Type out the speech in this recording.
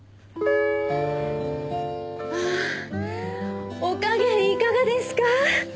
ああお加減いかがですか？